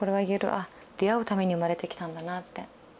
あ出会うために生まれてきたんだなって。